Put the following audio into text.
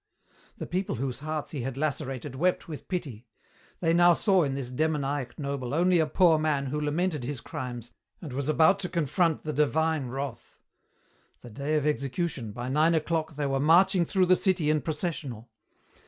"The people whose hearts he had lacerated wept with pity. They now saw in this demoniac noble only a poor man who lamented his crimes and was about to confront the Divine Wrath. The day of execution, by nine o'clock they were marching through the city in processional.